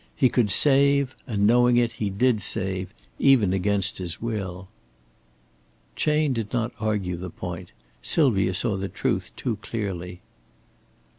He could save, and knowing it he did save, even against his will." Chayne did not argue the point. Sylvia saw the truth too clearly.